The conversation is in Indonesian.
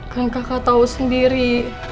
kan kakak tau sendiri